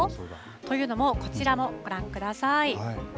というのもこちらをご覧ください。